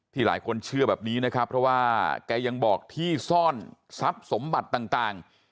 หลายคนเชื่อแบบนี้นะครับเพราะว่าแกยังบอกที่ซ่อนทรัพย์สมบัติต่าง